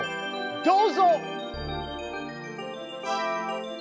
どうぞ！